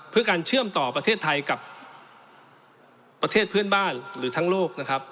เพื่อการเชื่อมต่อประเทศไทยกับประเทศเพื่อนบ้านหรือทั้งโลกนะครับ